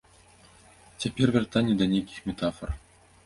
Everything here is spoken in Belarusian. Цяпер вяртанне да нейкіх метафар.